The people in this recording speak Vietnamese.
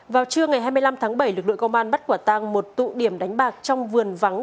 vào trưa ngày hai mươi năm tháng bảy lực lượng công an bắt quả tang một tụ điểm đánh bạc trong vườn vắng